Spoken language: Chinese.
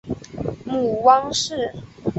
母汪氏。